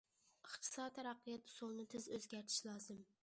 ئىقتىسادىي تەرەققىيات ئۇسۇلىنى تېز ئۆزگەرتىش لازىم.